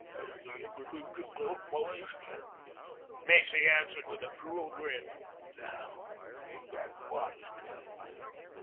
"Hasn't he introduced himself, boys?" Macy answered with a cruel grin. "Now, ain't that modest of him?